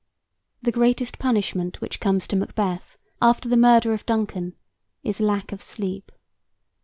The greatest punishment which comes to Macbeth after the murder of Duncan is lack of sleep.